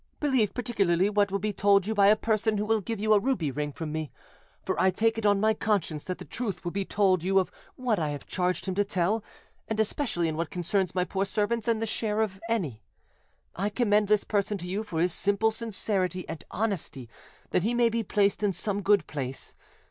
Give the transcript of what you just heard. "Believe particularly what will be told you by a person who will give you a ruby ring from me; for I take it on my conscience that the truth will be told you of what I have charged him to tell, and especially in what concerns my poor servants and the share of any. I commend this person to you for his simple sincerity and honesty, that he may be placed in some good place.